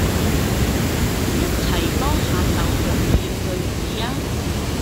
一齊幫下手貢獻句子吖